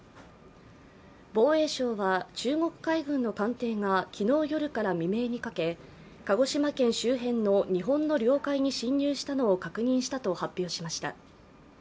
防衛省は中国海軍の艦艇が昨日夜から未明にかけ、鹿児島県周辺の日本の了解に侵入したのを確認したと発表しました。